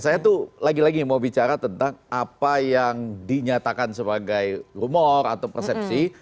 saya tuh lagi lagi mau bicara tentang apa yang dinyatakan sebagai rumor atau persepsi